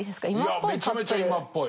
いやめちゃめちゃ今っぽい。